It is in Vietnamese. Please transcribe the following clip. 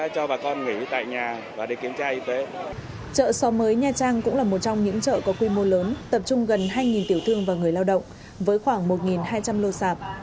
chợ xóm mới nha trang cũng là một trong những chợ có quy mô lớn tập trung gần hai tiểu thương và người lao động với khoảng một hai trăm linh lô sạp